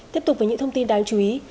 tiếp tục với những thông tin đáng chú ý